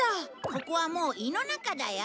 ここはもう胃の中だよ。